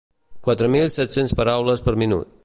Quatre mil set-cents paraules per minut.